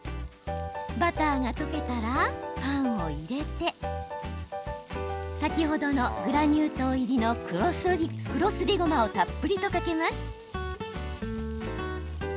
バターが溶けたら、パンを入れて先ほどのグラニュー糖入りの黒すりごまをたっぷりとかけます。